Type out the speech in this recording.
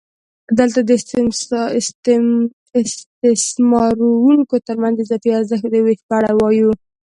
دلته د استثماروونکو ترمنځ د اضافي ارزښت د وېش په اړه وایو